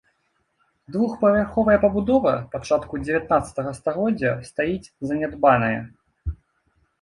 Двухпавярховая пабудова пачатку дзевятнаццатага стагоддзя стаіць занядбаная.